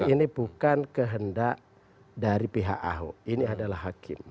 ini bukan kehendak dari pihak ahok ini adalah hakim